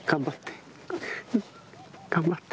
頑張って。